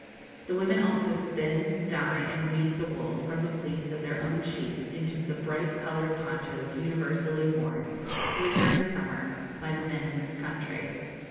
The women also spin, dye, and weave the wool from the fleece of their own sheep into the bright coloured ponchos universally worn, winter and summer, by the men in this country.